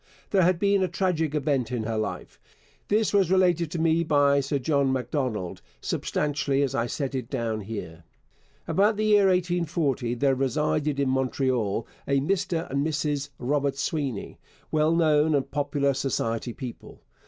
There had been a tragic event in her life. This was related to me by Sir John Macdonald substantially as I set it down here. About the year 1840 there resided in Montreal a Mr and Mrs Robert Sweeny, well known and popular society people.